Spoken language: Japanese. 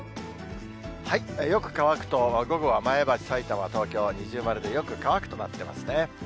よく乾くと、午後は前橋、さいたま、東京は二重丸でよく乾くとなってますね。